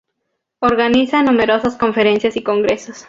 Organiza numerosas conferencias y congresos.